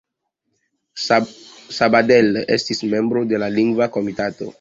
Sabadell estis membro de la Lingva Komitato.